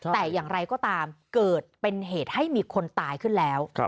แต่อย่างไรก็ตามเกิดเป็นเหตุให้มีคนตายขึ้นแล้ว